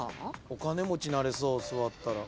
お金持ちなれそう座ったら。